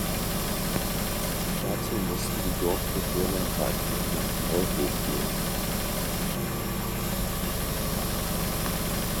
Dazu mussten die Dorfbewohner weiterhin nach Neuhof gehen.